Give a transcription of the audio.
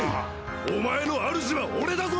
お前のあるじは俺だぞ！